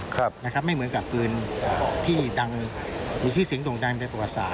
ครับนะครับไม่เหมือนกับปืนที่ดังหรือที่เสียงดงดังในภาษา